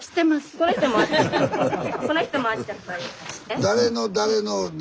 この人も会っちゃったよ。